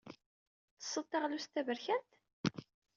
Tettessed taɣlust taberkant?